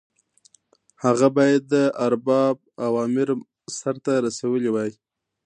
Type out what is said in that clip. هغه باید د ارباب اوامر سرته رسولي وای.